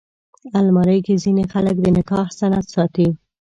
الماري کې ځینې خلک د نکاح سند ساتي